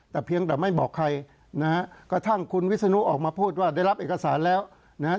แต่เพียงแต่ไม่บอกใครนะฮะกระทั่งคุณวิศนุออกมาพูดว่าได้รับเอกสารแล้วนะฮะ